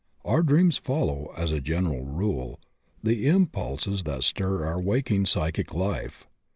Our dreams follow, as a general rule, the impulses that stir our waking psychic life.